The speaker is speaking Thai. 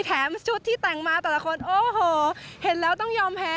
ชุดที่แต่งมาแต่ละคนโอ้โหเห็นแล้วต้องยอมแพ้